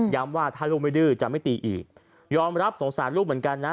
ว่าถ้าลูกไม่ดื้อจะไม่ตีอีกยอมรับสงสารลูกเหมือนกันนะ